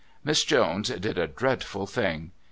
Miss Jones did a dreadful thing.